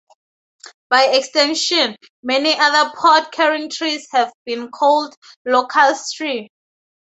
By extension many other pod carrying trees have been called "locust tree".